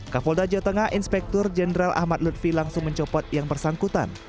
kapolda jawa tengah inspektur jenderal ahmad lutfi langsung mencopot yang bersangkutan